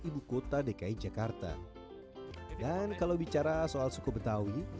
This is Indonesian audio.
ibukota dki jakarta dan kalau bicara soal suku betawi dan lengkap bila